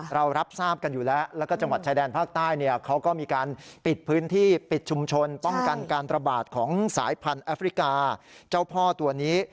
เรารับทราบกันอยู่แล้วแล้วก็จังหวัดชายแดนภาคใต้เนี่ยเขาก็มีการปิดพื้นที่ปิดชุมชนป้องกันการระบาดของสายพันธุ์แอฟริกาเจ้าพ่อตัวนี้